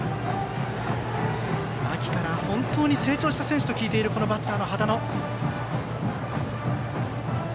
秋から成長した選手と聞いているバッターの羽田野。